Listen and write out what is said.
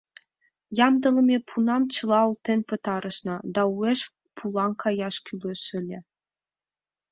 Ямдылыме пунам чыла олтен пытарышна да уэш пулан каяш кӱлеш ыле.